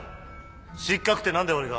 失格って何で俺が？